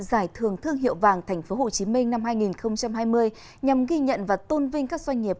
giải thưởng thương hiệu vàng tp hcm năm hai nghìn hai mươi nhằm ghi nhận và tôn vinh các doanh nghiệp